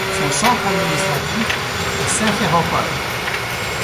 Son centre administratif est Simferopol.